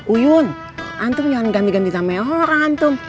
uyun antum jangan ganti ganti sama orang antum